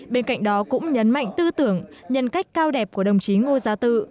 bên cạnh đó cũng nhấn mạnh tư tưởng nhân cách cao đẹp của đồng chí ngô gia tự